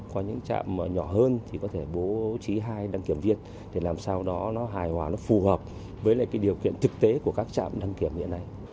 có những trạm nhỏ hơn thì có thể bố trí hai đăng kiểm việt để làm sao đó hài hòa phù hợp với điều kiện thực tế của các trạm đăng kiểm hiện nay